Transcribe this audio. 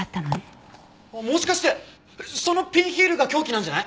もしかしてそのピンヒールが凶器なんじゃない？